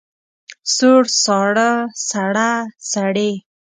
سوړ، ساړه، سړه، سړې.